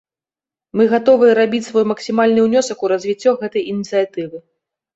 Мы гатовыя рабіць свой максімальны ўнёсак у развіццё гэтай ініцыятывы.